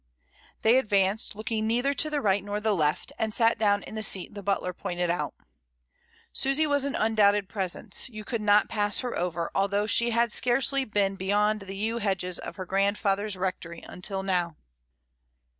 They advanced, looking neither to the right nor to the left, and sat IN A GIG. 33 down in the seat the butler pointed out Susy was an undoubted presence; you could not pass her over although she had scarcely been beyond the yew hedges of her grandfather's rectory until now.